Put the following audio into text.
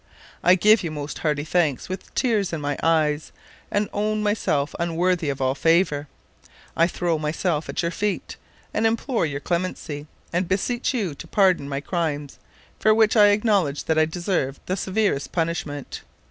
I give you most hearty thanks with tears in my eyes, and own myself unworthy of all favor. I throw myself at your feet, and implore your clemency, and beseech you to pardon my crimes, for which I acknowledge that I deserve the severest punishment.